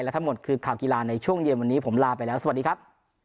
และทั้งหมดคือข่าวกีฬาในช่วงเย็นวันนี้ผมลาไปแล้วสวัสดีครับ